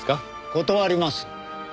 断ります。